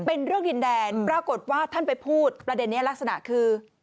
เป็นเรื่องดินแดนปรากฏว่าท่านไปพูดประเด็นนี้ลักษณะคือ